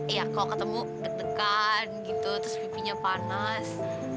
iya kalau ketemu deg degan gitu terus pipinya panas